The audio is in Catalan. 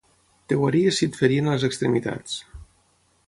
Et guaries si et ferien a les extremitats